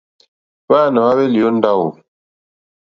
Hwáǎnà hwáhwélì ó ndáwò.